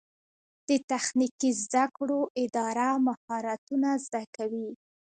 د تخنیکي زده کړو اداره مهارتونه زده کوي